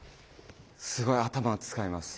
すごい頭を使います。